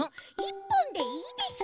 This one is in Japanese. １ぽんでいいです。